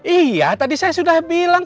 iya tadi saya sudah bilang